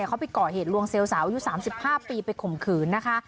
เขาไปก่อเหตุลวงเซลล์สาวอายุ๓๕ปีไปข่มขืนนะคะ